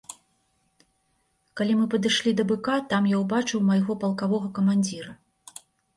Калі мы падышлі да быка, там я ўбачыў майго палкавога камандзіра.